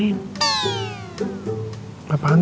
minimal fusion ya